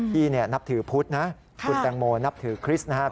นับถือพุทธนะคุณแตงโมนับถือคริสต์นะครับ